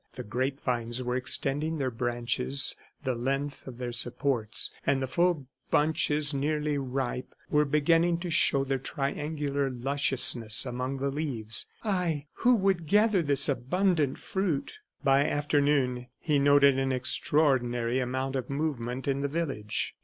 The grape vines were extending their branches the length of their supports, and the full bunches, nearly ripe, were beginning to show their triangular lusciousness among the leaves. Ay, who would gather this abundant fruit! ... By afternoon he noted an extraordinary amount of movement in the village.